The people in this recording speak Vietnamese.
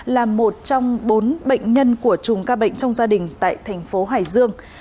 là một trong bốn bệnh nhân của chùm ca bệnh trong gia đình tại thành phố hải dương